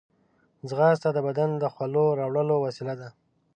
ځغاسته د بدن د خولو راوړلو وسیله ده